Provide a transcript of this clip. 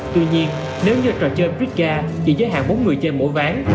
tuy nhiên nếu như trò chơi ritca chỉ giới hạn bốn người chơi mỗi ván